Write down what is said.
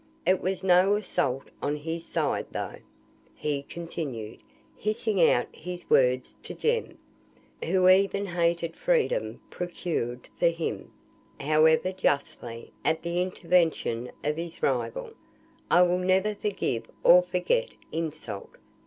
It was no assault on his side; though," he continued, hissing out his words to Jem, who even hated freedom procured for him, however justly, at the intervention of his rival, "I will never forgive or forget your insult.